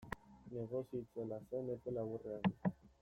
Negozio itzela zen epe laburrean.